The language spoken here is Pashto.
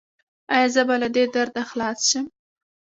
ایا زه به له دې درده خلاص شم؟